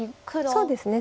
そうですね